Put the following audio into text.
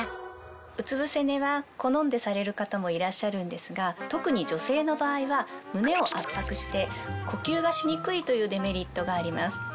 うつ伏せ寝は好んでされる方もいらっしゃるんですが特に女性の場合は。というデメリットがあります。